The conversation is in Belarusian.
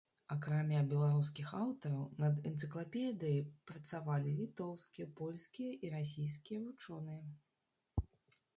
Акрамя беларускіх аўтараў, над энцыклапедыяй працавалі літоўскія, польскія і расійскія вучоныя.